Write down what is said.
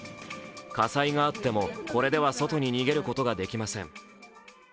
火災があっても、これでは外に逃げることができません。